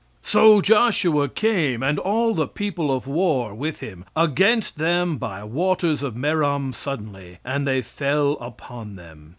"So Joshua came, and all the people of war with him, against them by waters of Merom suddenly; and they fell upon them.